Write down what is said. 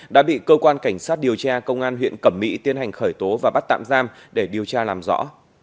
đã bị cơ quan cảnh sát điều tra công an huyện cẩm mỹ tiến hành khởi tố và bắt tạm giam để điều tra làm rõ